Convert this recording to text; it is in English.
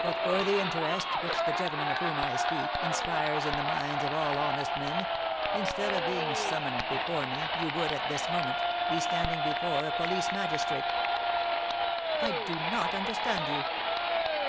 "But for the interest which the gentleman, of whom I speak, inspires in the minds of all honest men, instead of being summoned before me, you would, at this moment, be standing before a police magistrate." "I do not understand you."